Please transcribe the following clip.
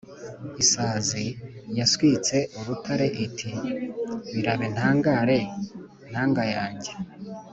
isazi yaswitse urutare i ti « birabe ntangare ntangayanjye ».